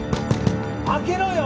開けろよ！